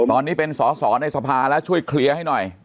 ตอนนี้เป็นสอสอในสภาแล้วช่วยเคลียร์ให้หน่อย